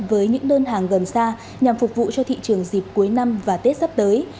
với những đơn hàng gần xa nhằm phục vụ cho thị trường dịp cuối năm và tết sắp tới